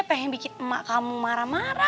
pengen bikin emak kamu marah marah